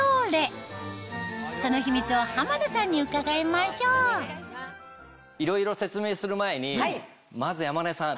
その秘密を濱田さんに伺いましょういろいろ説明する前にまず山根さん